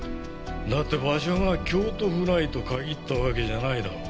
だって場所が京都府内と限ったわけじゃないだろ。